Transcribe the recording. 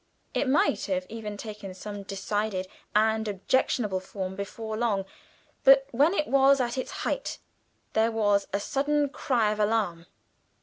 It might have even taken some decided and objectionable form before long, but when it was at its height there was a sudden cry of alarm.